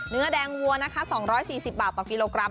เนื้อแดงวัวนะคะ๒๔๐บาทต่อกิโลกรัม